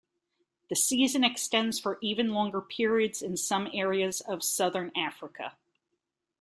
The season extends for even longer periods in some areas of southern Africa.